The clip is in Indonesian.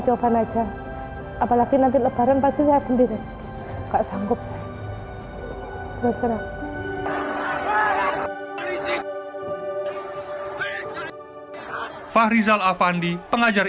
coba naja apalagi nanti lebaran pasti saya sendiri kak sanggup saya berusaha fahrizal afandi pengajar